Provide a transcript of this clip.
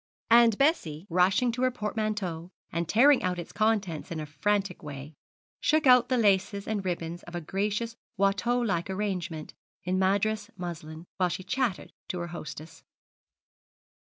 And Bessie, rushing to her portmanteau, and tearing out its contents in a frantic way, shook out the laces and ribbons of a gracious Watteau like arrangement in Madras muslin, while she chattered to her hostess.